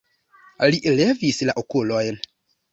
Li levis la okulojn.